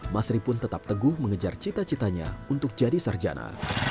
masri pun tetap teguh mengejar cita citanya untuk jadi sarjana